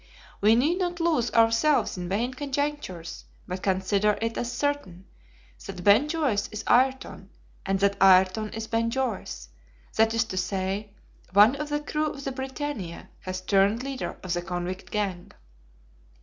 We need not lose ourselves in vain conjectures, but consider it as certain that Ben Joyce is Ayrton, and that Ayrton is Ben Joyce; that is to say, one of the crew of the BRITANNIA has turned leader of the convict gang."